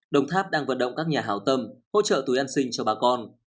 đồng tháp đang vận động các nhà hào tâm hỗ trợ túi ăn xinh cho bà con